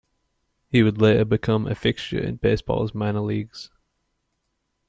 He would later become a fixture in baseball's minor leagues.